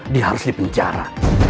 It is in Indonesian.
dia harus di penjara